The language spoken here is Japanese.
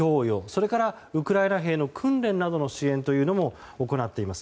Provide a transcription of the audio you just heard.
それからウクライナ兵の訓練などの支援というのも行っています。